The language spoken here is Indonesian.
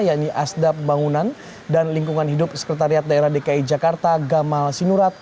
yaitu asda pembangunan dan lingkungan hidup sekretariat daerah dki jakarta gamal sinurat